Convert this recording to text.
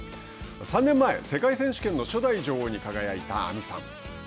３年前、世界選手権の初代女王に輝いた亜実さん。